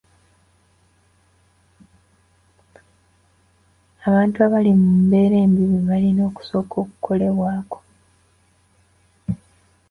Abantu abali mu mbeera embi be balina okusooka okukolebwako.